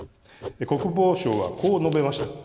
国防相はこう述べました。